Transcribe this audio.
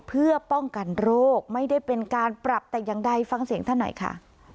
เพื่อป้องกันโรคไม่ได้เป็นการปรับแต่อย่างใดฟังเสียงท่านหน่อยค่ะ